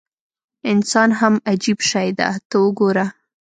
انسان هم عجیب شی دی ته وګوره.